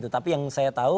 tapi yang saya tahu